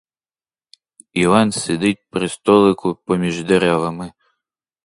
Іван сидить при столику поміж деревами.